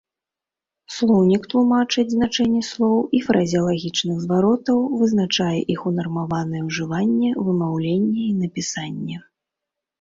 Слоўнік тлумачыць значэнні слоў і фразеалагічных зваротаў, вызначае іх унармаванае ўжыванне, вымаўленне і напісанне.